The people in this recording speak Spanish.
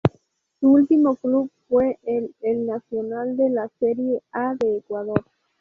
Su último club fue el El Nacional de la Serie A de Ecuador.